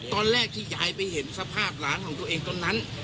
ตอนแรกที่ยายไปเห็นสภาพหลานของตัวเองตอนนั้น